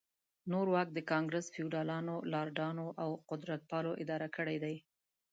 نور واک د ګانګرس فیوډالانو، لارډانو او قدرتپالو اداره کړی دی.